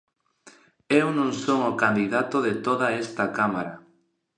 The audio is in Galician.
Eu non son o candidato de toda esta Cámara.